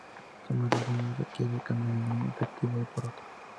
Tomar decisiones requiere cambiar un objetivo por otro".